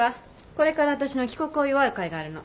これから私の帰国を祝う会があるの。